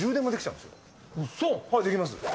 はいできます。